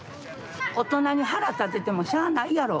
大人に腹立ててもしゃないやろ。